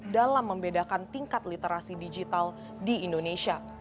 dalam membedakan tingkat literasi digital di indonesia